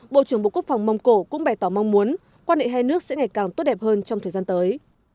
bộ trưởng bộ quốc phòng mông cổ cũng bày tỏ mong muốn quan hệ hai nước sẽ ngày càng tốt đẹp hơn trong thời gian tới